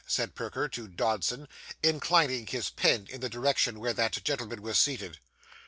said Perker to Dodson, inclining his pen in the direction where that gentleman was seated.